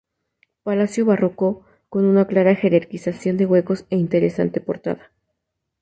Palacio barroco, con una clara jerarquización de huecos e interesante portada.